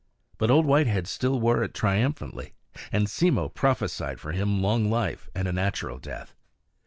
But Old Whitehead still wore it triumphantly; and Simmo prophesied for him long life and a natural death.